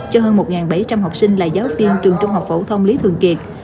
cho hơn một bảy trăm linh học sinh là giáo viên trường trung học phổ thông lý thường kiệt